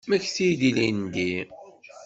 Mmekti-d ilindi.